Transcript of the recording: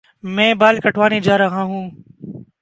میں بال کٹوانے جا رہا ہوں